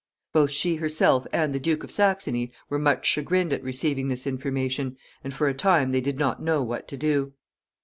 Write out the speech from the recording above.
Both she herself and the Duke of Saxony were much chagrined at receiving this information, and for a time they did not know what to do.